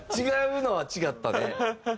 違うのは違ったね。